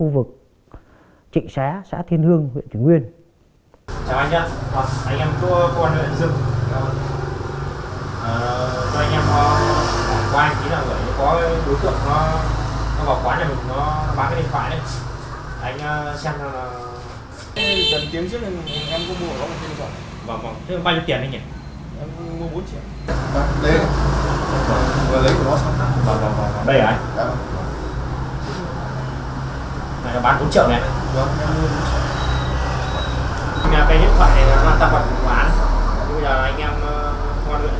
một sim tiếp theo